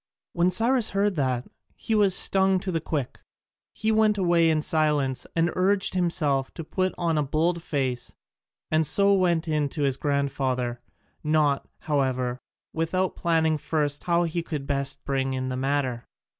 When Cyrus heard that he was stung to the quick: he went away in silence and urged himself to put on a bold face, and so went in to his grandfather, not, however, without planning first how he could best bring in the matter.